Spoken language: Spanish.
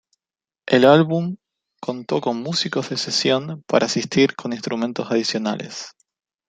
El álbum contó con músicos de sesión para asistir con instrumentos adicionales.